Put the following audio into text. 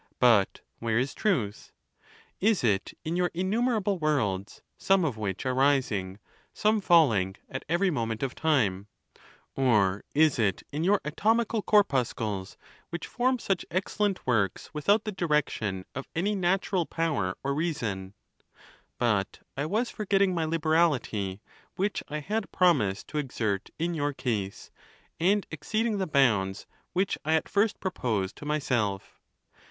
But where is truth? Is it in your innu merable worlds, some of which are rising, some falling, at every moment of time ? Or is it in your atomical corpus THE NATUEE OF THE GODS. 233 cles, which form such excellent works without the direc tion of any natural power or reason ? But I was forget ting my liberality, which I had promised to exert in your case, and exceeding the bounds which I at first proposed to myself.